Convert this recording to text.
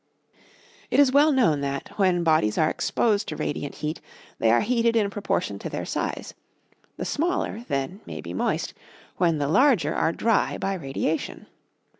It is well known that, when bodies are exposed to radiant heat, they are heated in proportion to their size; the smaller, then, may be moist, when the larger are dry by radiation.